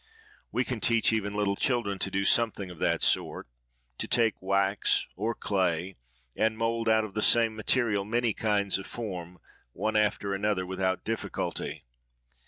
We can teach even little children to do something of that sort,—to take wax or clay, and mould out of the same material many kinds of form, one after another, without difficulty.